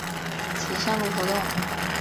其上路活动。